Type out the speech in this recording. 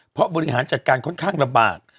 เพราะบริหารจัดการค่อนข้างลำบาก